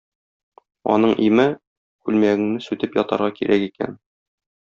Аның име: күлмәгеңне сүтеп ятарга кирәк икән.